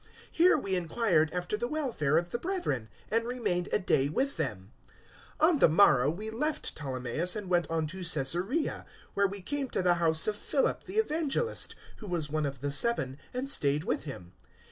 here we inquired after the welfare of the brethren, and remained a day with them. 021:008 On the morrow we left Ptolemais and went on to Caesarea, where we came to the house of Philip the Evangelist, who was one of the seven, and stayed with him.